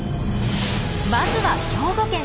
まずは兵庫県。